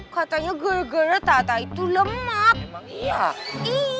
katanya gara gara tata itu lemak